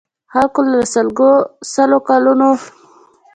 خلکو له سلو کلنو وروسته د آزادۍاحساس کاوه.